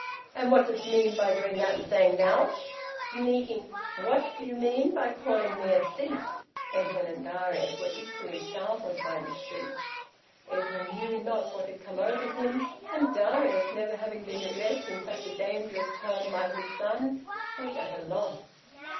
"And what dost mean by doing that and saying nowt? Sneaking " "What do you mean by calling me a thief?" Edwin and Darius were equally startled by this speech. Edwin knew not what had come over him, and Darius, never having been addressed in such a dangerous tone by his son, was at a loss.